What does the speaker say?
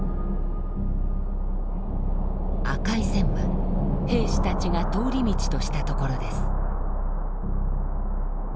赤い線は兵士たちが通り道とした所です。